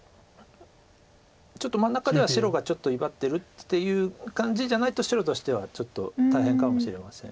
真ん中では白がちょっと威張ってるっていう感じじゃないと白としてはちょっと大変かもしれません。